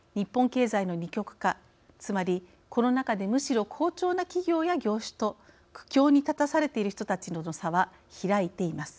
つまりコロナ禍でむしろ好調な企業や業種と苦境に立たされている人たちとの差は開いています。